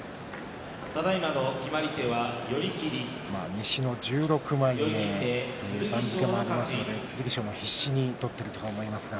西の１６枚目番付がありますので剣翔も必死に取っていると思いますが。